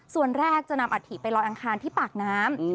ส่วนแรกจะนำอัฐิไปลอยอังคารที่ปากน้ำ